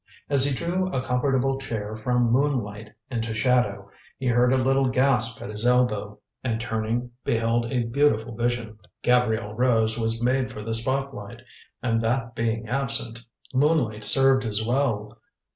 As he drew a comfortable chair from moonlight into shadow he heard a little gasp at his elbow, and turning, beheld a beautiful vision. Gabrielle Rose was made for the spotlight, and that being absent, moonlight served as well.